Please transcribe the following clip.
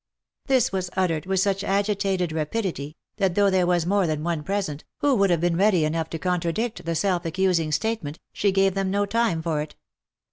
This was uttered with such agitated rapidity, that though there was more than one present, who would have been ready enough to contra dict the self accusing statement, she gave them no time for it.